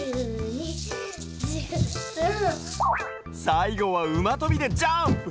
さいごはうまとびでジャンプ！